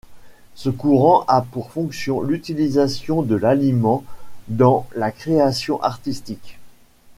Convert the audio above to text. Ce courant a pour fonction l’utilisation de l’aliment dans la création artistique.